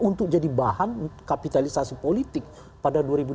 untuk jadi bahan kapitalisasi politik pada dua ribu dua puluh